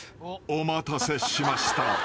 ［お待たせしました。